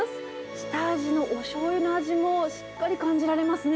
下味のおしょうゆの味もしっかり感じられますね。